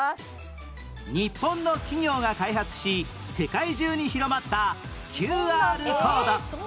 日本の企業が開発し世界中に広まった ＱＲ コード